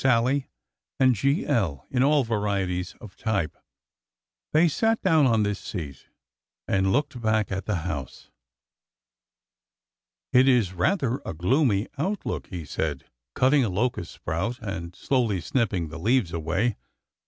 and '' Sallie," and '' G. L.," in all varieties of type. They sat down on this seat and looked back at the house. '' It is rather a gloomy outlook," he said, cutting a lo cust sprout and slowly snipping the leaves away.